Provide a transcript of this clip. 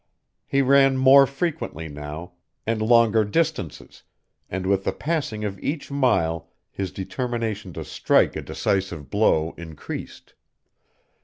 He ran more frequently now, and longer distances, and with the passing of each mile his determination to strike a decisive blow increased.